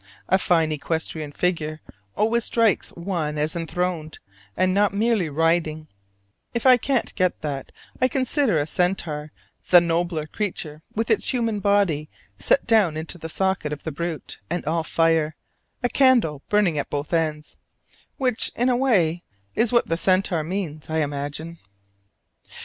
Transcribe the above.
A fine equestrian figure always strikes one as enthroned, and not merely riding; if I can't get that, I consider a centaur the nobler creature with its human body set down into the socket of the brute, and all fire a candle burning at both ends: which, in a way, is what the centaur means, I imagine?